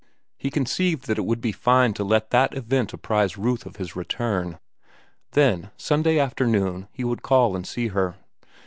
He conceived that it would be fine to let that event apprise Ruth of his return. Then, Sunday afternoon, he would call and see her.